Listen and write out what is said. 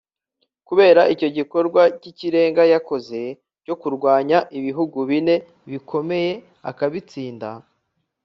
Kubera icyo gikorwa cy’ikirenga yakoze cyo kurwanya ibihugu bine bikomeye akabitsinda